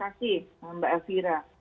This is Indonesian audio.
terima kasih mbak elvira